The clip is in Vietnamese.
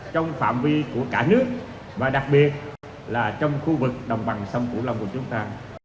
trong phạm vi của cả nước và đặc biệt là trong khu vực đồng bằng sông cửu long của chúng ta